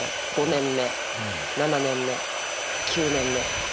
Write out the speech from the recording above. ５年目７年目９年目。